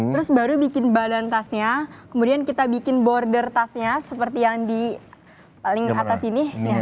terus baru bikin badan tasnya kemudian kita bikin border tasnya seperti yang di paling atas ini